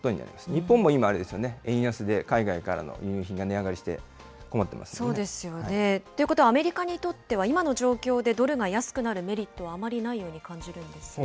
日本も今、あれですよね、円安で海外からの輸入品が値上がりして困ってそうですよね。ということは、アメリカにとっては今の状況でドルが安くなるメリットはあまりないように感じるんですが。